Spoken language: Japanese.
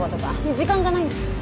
時間がないんです。